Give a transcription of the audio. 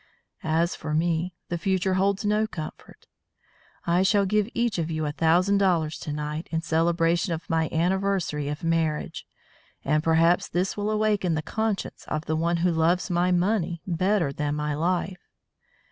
As for me, the future holds no comfort. I shall give each of you a thousand dollars to night in celebration of my anniversary of marriage, and perhaps this will awaken the conscience of the one who loves my money better than my life.